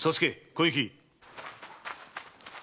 小雪。